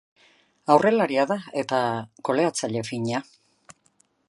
Aurrelaria da eta goleatzaile fina.